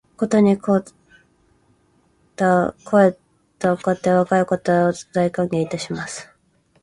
ことに肥ったお方や若いお方は、大歓迎いたします